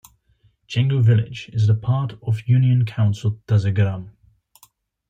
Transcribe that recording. Jango village is the part of Union Council Tazagram.